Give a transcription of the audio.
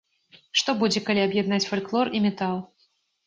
Што будзе, калі аб'яднаць фальклор і метал?